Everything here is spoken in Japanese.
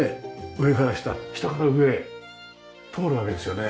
上から下下から上へ通るわけですよね。